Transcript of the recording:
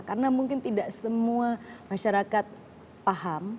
karena mungkin tidak semua masyarakat paham